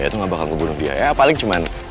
itu gak bakal kebunuh dia ya paling cuma